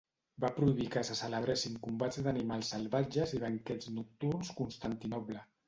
Va prohibir que se celebressin combats d'animals salvatges i banquets nocturns Constantinoble.